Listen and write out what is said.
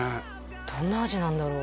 どんな味なんだろう？